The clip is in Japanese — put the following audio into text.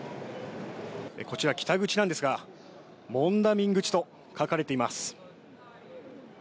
こちら、北口なんですが、モンダミン口と書かれています。